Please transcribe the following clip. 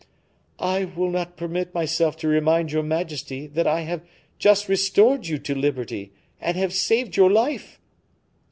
"I will not permit myself to remind your majesty that I have just restored you to liberty, and have saved your life."